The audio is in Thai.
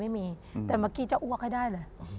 ไม่มีแต่เมื่อกี้จะอ้วกให้ได้เลย